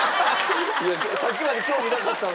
さっきまで興味なかったのに。